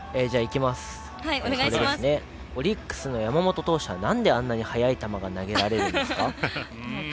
オリックスの山本投手はなんであんなに速い球が投げられるんですか？